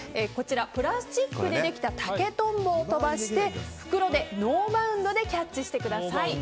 プラスチックでできた竹とんぼを飛ばして袋でノーバウンドでキャッチしてください。